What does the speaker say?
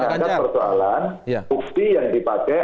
persoalan bukti yang dipakai